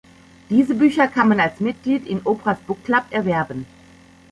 Diese Bücher kann man als Mitglied in "Oprah´s Book Club" erwerben.